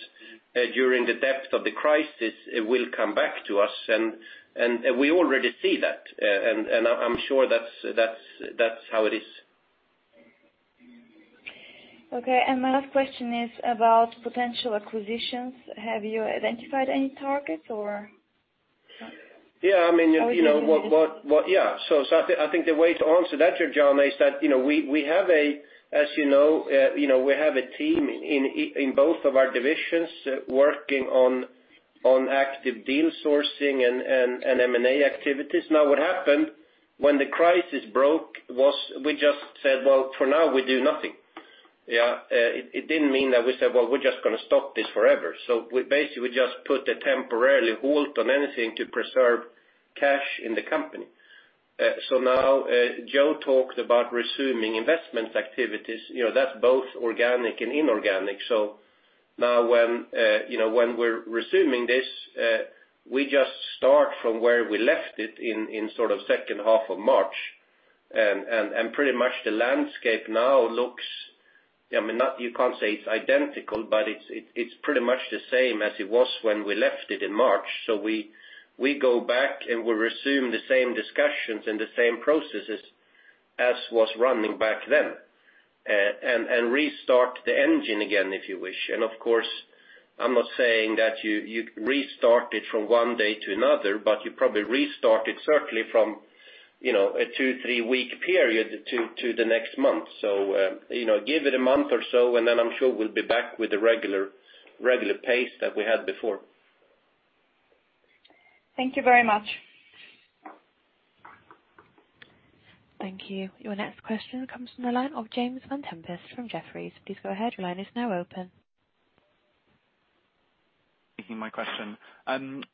during the depth of the crisis will come back to us. We already see that, and I'm sure that's how it is. Okay, and my last question is about potential acquisitions. Have you identified any targets or? Yeah. You didn't. I think the way to answer that, Gergana, is that we have a, as you know, we have a team in both of our divisions working on active deal sourcing and M&A activities. What happened when the crisis broke was we just said, "Well, for now we do nothing." Yeah. It didn't mean that we said, "Well, we're just going to stop this forever." We basically just put a temporary halt on anything to preserve cash in the company. Now Joe talked about resuming investment activities, that's both organic and inorganic. When we're resuming this, we just start from where we left it in sort of second half of March. Pretty much the landscape now looks, you can't say it's identical, but it's pretty much the same as it was when we left it in March. We go back, and we resume the same discussions and the same processes as was running back then, and restart the engine again, if you wish. Of course, I'm not saying that you restart it from one day to another, but you probably restart it certainly from a two, three-week period to the next month. Give it a month or so, and then I'm sure we'll be back with the regular pace that we had before. Thank you very much. Thank you. Your next question comes from the line of James Vane-Tempest from Jefferies. Please go ahead. Your line is now open. Taking my question.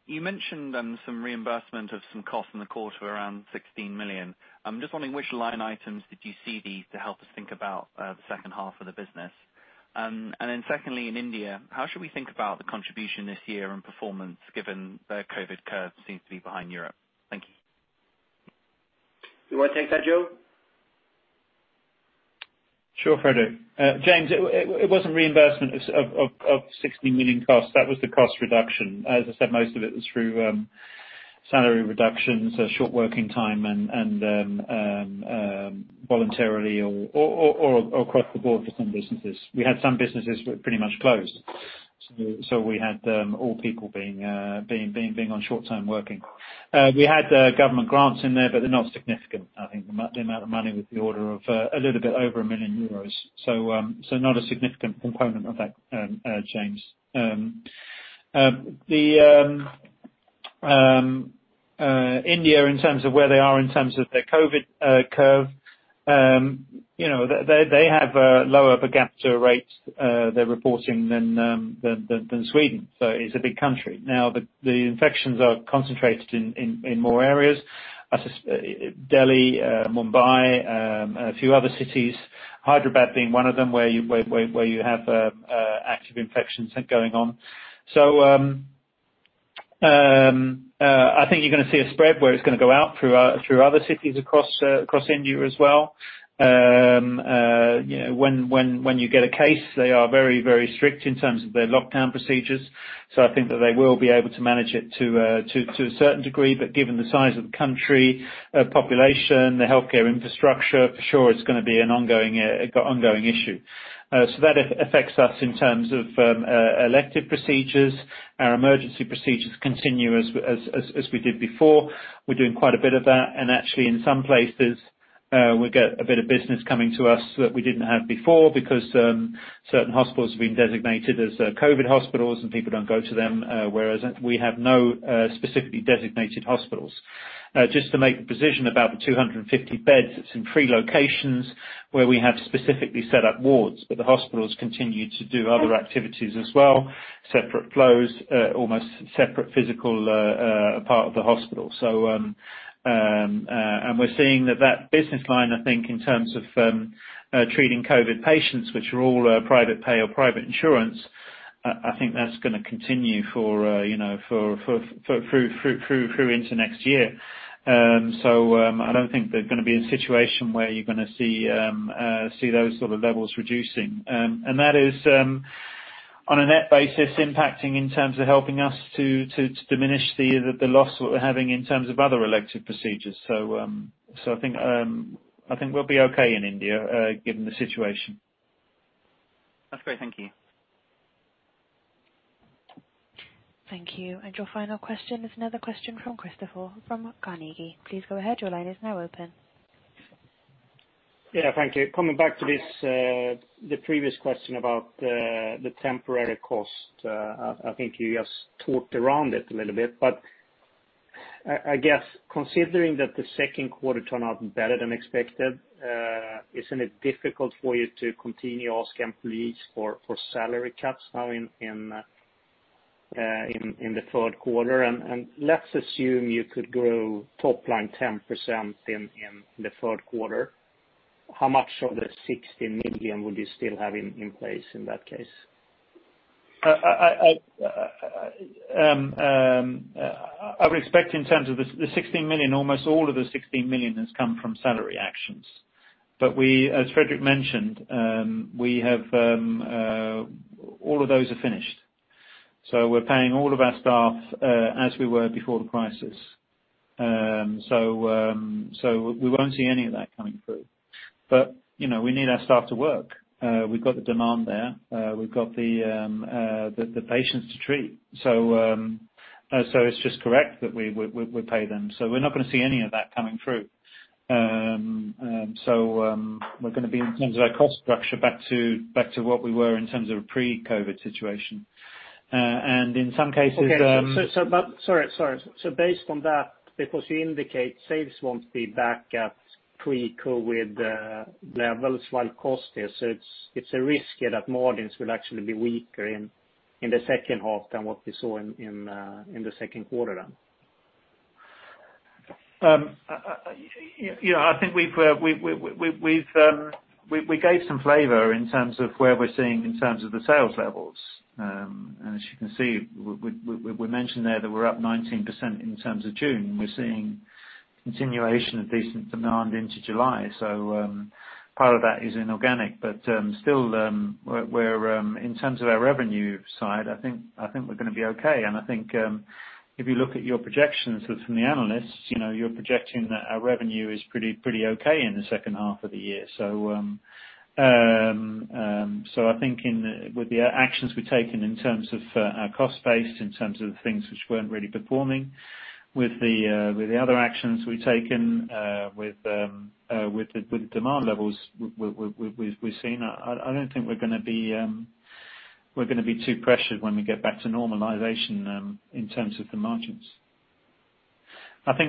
You mentioned some reimbursement of some cost in the quarter around 16 million. I'm just wondering which line items did you see these to help us think about the second half of the business? Secondly, in India, how should we think about the contribution this year and performance given their COVID curve seems to be behind Europe? Thank you. You want to take that, Joe? Sure, Fredrik. James, it wasn't reimbursement of 16 million costs. That was the cost reduction. As I said, most of it was through salary reductions or short working time and voluntarily or across the board for some businesses. We had some businesses were pretty much closed. We had all people being on short-term working. We had government grants in there, but they're not significant. I think the amount of money was the order of a little bit over 1 million euros. Not a significant component of that, James. India in terms of where they are in terms of their COVID curve. They have lower per capita rates they're reporting than Sweden. It's a big country. Now, the infections are concentrated in more areas, Delhi, Mumbai, a few other cities, Hyderabad being one of them, where you have active infections going on. I think you're going to see a spread where it's going to go out through other cities across India as well. When you get a case, they are very, very strict in terms of their lockdown procedures. I think that they will be able to manage it to a certain degree, but given the size of the country, population, the healthcare infrastructure, for sure it's going to be an ongoing issue. That affects us in terms of elective procedures. Our emergency procedures continue as we did before. We're doing quite a bit of that. Actually, in some places, we get a bit of business coming to us that we didn't have before because certain hospitals have been designated as COVID hospitals and people don't go to them. Whereas we have no specifically designated hospitals. Just to make the precision about the 250 beds, it's in three locations where we have specifically set up wards, but the hospitals continue to do other activities as well, separate flows, almost separate physical part of the hospital. We're seeing that business line, I think, in terms of treating COVID patients, which are all private pay or private insurance, I think that's going to continue through into next year. I don't think there's going to be a situation where you're going to see those sort of levels reducing. That is on a net basis impacting in terms of helping us to diminish the loss that we're having in terms of other elective procedures. I think we'll be okay in India, given the situation. That's great. Thank you. Thank you. Your final question is another question from Kristofer from Carnegie. Please go ahead. Your line is now open. Yeah, thank you. Coming back to the previous question about the temporary cost. I think you just talked around it a little bit, but I guess considering that the second quarter turned out better than expected, isn't it difficult for you to continue asking employees for salary cuts now in the third quarter? Let's assume you could grow top line 10% in the third quarter. How much of the 16 million would you still have in place in that case? I would expect in terms of the 16 million, almost all of the 16 million has come from salary actions. As Fredrik mentioned, all of those are finished. We're paying all of our staff as we were before the crisis. We won't see any of that coming through. We need our staff to work. We've got the demand there. We've got the patients to treat. It's just correct that we pay them. We're not going to see any of that coming through. We're going to be, in terms of our cost structure, back to what we were in terms of a pre-COVID-19 situation. Okay. Sorry. Based on that, because you indicate sales won't be back at pre-COVID levels while cost is, it's a risk that margins will actually be weaker in the second half than what we saw in the second quarter then. I think we gave some flavor in terms of where we're seeing in terms of the sales levels. As you can see, we mentioned there that we're up 19% in terms of June. We're seeing continuation of decent demand into July. Part of that is inorganic, but still, in terms of our revenue side, I think we're going to be okay. I think if you look at your projections from the analysts, you're projecting that our revenue is pretty okay in the second half of the year. I think with the actions we've taken in terms of our cost base, in terms of things which weren't really performing, with the other actions we've taken with the demand levels we've seen, I don't think we're going to be too pressured when we get back to normalization in terms of the margins. Okay.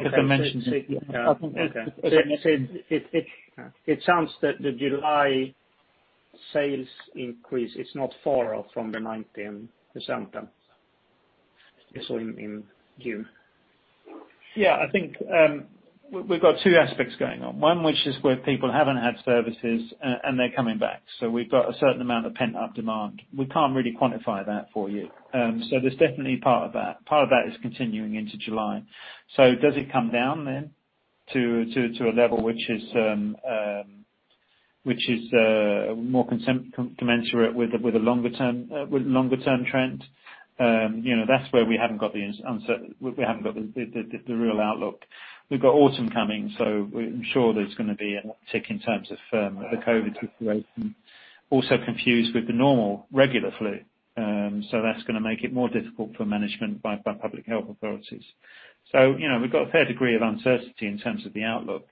It sounds that the July sales increase it's not far off from the 19% you saw in June. Yeah, I think we've got two aspects going on. One, which is where people haven't had services and they're coming back. We've got a certain amount of pent-up demand. We can't really quantify that for you. There's definitely part of that. Part of that is continuing into July. Does it come down then to a level which is more commensurate with a longer term trend? That's where we haven't got the real outlook. We've got autumn coming, so I'm sure there's going to be a tick in terms of the COVID situation. Also confused with the normal regular flu. That's going to make it more difficult for management by public health authorities. We've got a fair degree of uncertainty in terms of the outlook.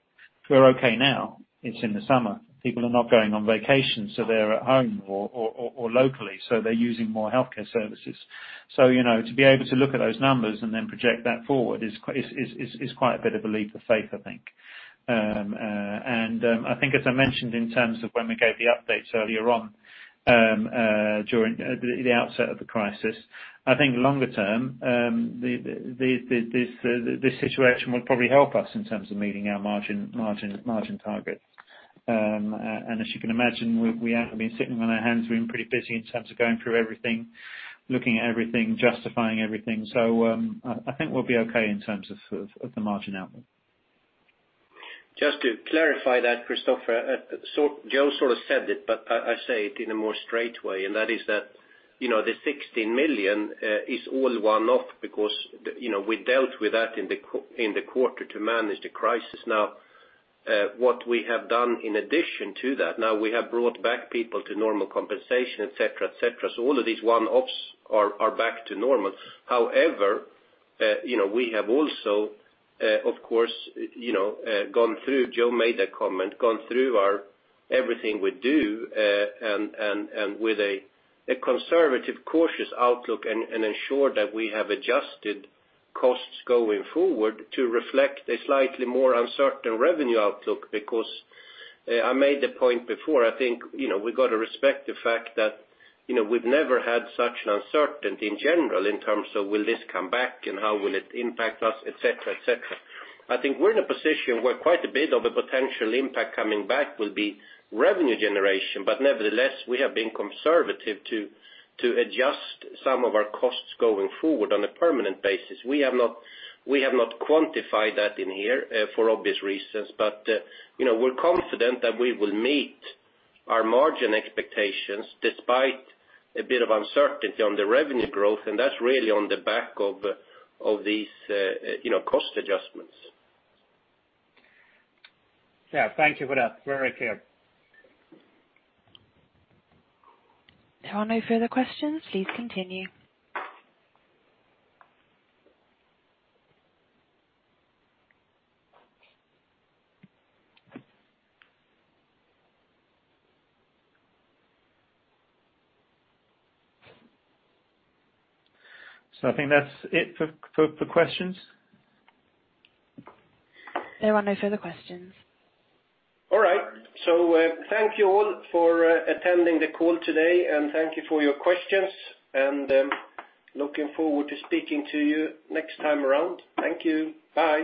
We're okay now. It's in the summer, people are not going on vacation, so they're at home or locally, so they're using more healthcare services. To be able to look at those numbers and then project that forward is quite a bit of a leap of faith, I think. I think as I mentioned in terms of when we gave the updates earlier on during the outset of the crisis, I think longer term, this situation will probably help us in terms of meeting our margin targets. As you can imagine, we haven't been sitting on our hands. We've been pretty busy in terms of going through everything, looking at everything, justifying everything. I think we'll be okay in terms of the margin outlook. Just to clarify that, Kristofer. Joe sort of said it, but I say it in a more straight way, and that is that the 16 million is all one-off because we dealt with that in the quarter to manage the crisis. What we have done in addition to that, now we have brought back people to normal compensation, et cetera. All of these one-offs are back to normal. However, we have also, of course, gone through, Joe made a comment, gone through everything we do, and with a conservative, cautious outlook, and ensured that we have adjusted costs going forward to reflect a slightly more uncertain revenue outlook. I made the point before, I think, we got to respect the fact that we've never had such an uncertainty in general in terms of will this come back and how will it impact us, et cetera. I think we're in a position where quite a bit of a potential impact coming back will be revenue generation. Nevertheless, we have been conservative to adjust some of our costs going forward on a permanent basis. We have not quantified that in here for obvious reasons. We're confident that we will meet our margin expectations despite a bit of uncertainty on the revenue growth, and that's really on the back of these cost adjustments. Yeah. Thank you for that. Very clear. There are no further questions. Please continue. I think that's it for questions. There are no further questions. All right. Thank you all for attending the call today, and thank you for your questions, and looking forward to speaking to you next time around. Thank you. Bye.